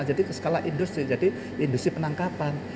jadi skala industri jadi industri penangkapan